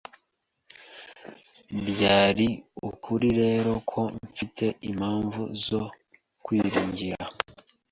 Byari ukuri rero ko mfite impamvu zo kwiringira